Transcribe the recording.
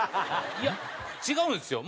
いや違うんですよ。